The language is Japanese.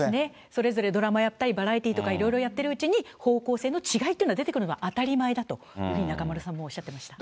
それぞれドラマやったり、バラエティーとかいろいろやっているうちに、方向性の違いというのは、出てくるのは当たり前だと、中丸さんもおっしゃっていました。